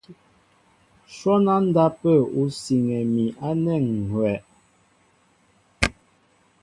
Shwɔ́n á ndápə̂ ú siŋɛ mi ánɛ̂ ŋ̀ hʉ́wɛ̂.